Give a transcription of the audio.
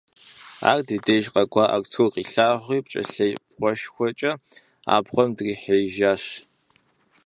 Ар ди деж къэкӀуа Артур къилъагъури пкӀэлъей бгъуэшхуэкӀэ абгъуэм дрихьеижащ.